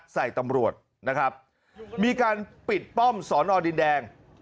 ใส่ตำรวจนะครับมีการปิดป้อมสอนอดินแดง